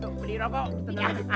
tuh beli rokok tenang aja